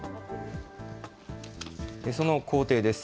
その工程です。